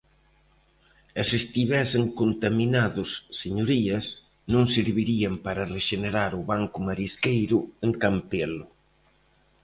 E se estivesen contaminados, señorías, non servirían para rexenerar o banco marisqueiro en Campelo.